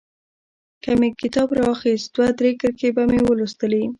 که مې کتاب رااخيست دوه درې کرښې به مې ولوستلې.